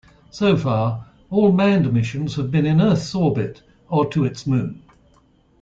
So far, all manned missions have been in Earth's orbit or to its Moon.